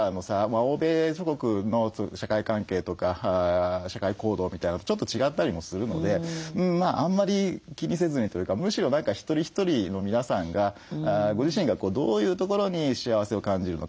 欧米諸国の社会関係とか社会行動みたいなのとちょっと違ったりもするのであんまり気にせずにというかむしろ何か一人一人の皆さんがご自身がどういうところに幸せを感じるのか？